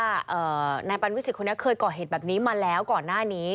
บศิกไห้มีบัญวิสิทธิ์เคยก่อเหตุแบบนี้มาแล้วก่อนหน้านี้